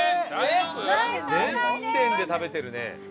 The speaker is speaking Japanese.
全店で食べてるね。